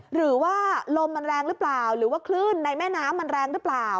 หรือว่าลมมันแรงหรือเปล่าหรือว่าคลื่นในแม่น้ำมันแรงหรือเปล่า